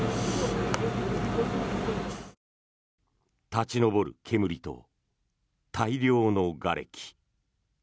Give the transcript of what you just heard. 立ち上る煙と大量のがれき。